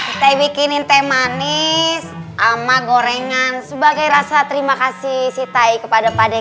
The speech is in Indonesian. siti kita bikinin teh manis sama gorengan sebagai rasa terima kasih siti kepada pak dek